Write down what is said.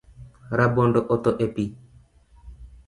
Rabondo otho e pi.